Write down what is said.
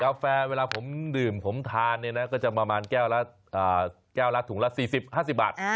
กาแฟเวลาผมดื่มผมทานก็จะประมาณแก้วละถุงละ๔๐๕๐บาท